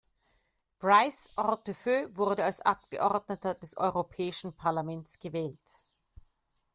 Brice Hortefeux wurde als Abgeordneter des Europäischen Parlaments gewählt.